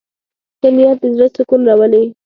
ښه نیت د زړه سکون راولي.